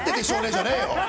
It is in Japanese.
じゃねえよ。